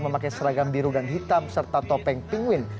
memakai seragam biru dan hitam serta topeng pingwin